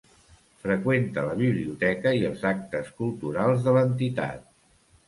Freqüenta la biblioteca i els actes culturals de l'entitat.